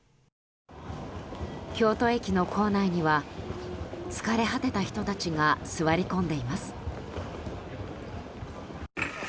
京都駅の構内には疲れ果てた人たちが座り込んでいます。